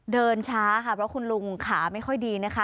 เดินช้าค่ะเพราะคุณลุงขาไม่ค่อยดีนะคะ